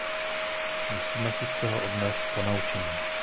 Musíme si z toho odnést ponaučení.